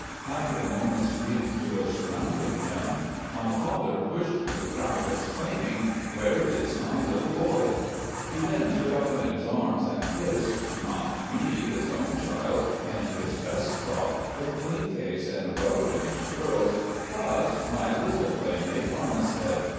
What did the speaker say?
After a moment's greeting to those surrounding him, my father pushed through the crowd, exclaiming: " Where is my little boy ?" He then took up in his arms and kissed — ^not me, his own child in his best frock with clean face and well arranged curls — ^but my little playmate, Armistead